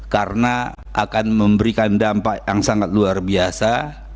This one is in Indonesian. karena akan memberikan dampak yang sangat luar biasa